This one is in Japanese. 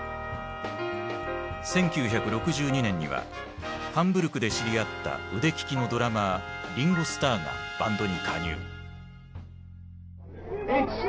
１９６２年にはハンブルクで知り合った腕利きのドラマーリンゴ・スターがバンドに加入。